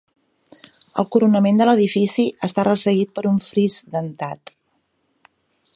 El coronament de l'edifici està resseguit per un fris dentat.